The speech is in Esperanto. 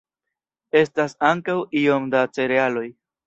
Estas ankaŭ iom da cerealoj.